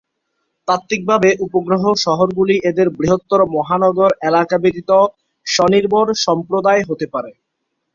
তাত্ত্বিকভাবে, উপগ্রহ শহরগুলি এদের বৃহত্তর মহানগর এলাকা ব্যতীত স্ব-নির্ভর সম্প্রদায় হতে পারে।